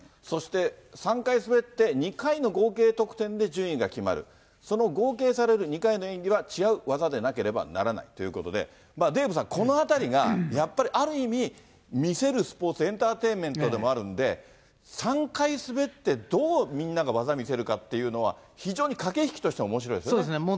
そして３回滑って、２回の合計得点で順位が決まる、その合計される２回の演技は違う技でなければならないということで、デーブさん、このあたりが、やっぱり、ある意味、見せるスポーツ、エンターテインメントでもあるんで、３回滑ってどう、みんなが技見せるかっていうのは、非常に駆け引きとしてもおもしろいですね。